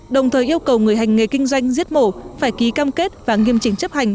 đồng thời yêu cầu người hành nghề kinh doanh giết mổ phải ký cam kết và nghiêm trình chấp hành